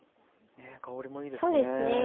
香りもいいですね。